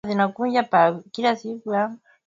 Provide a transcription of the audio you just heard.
i ya mambo baada tu ya kupata mada hii kwamba